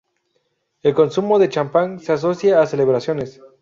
El consumo de champán se asocia a celebraciones.